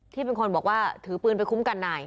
ที่เป็นคนบอกว่าถือปืนไปคุ้มกันนาย